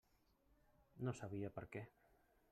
No sabia per què.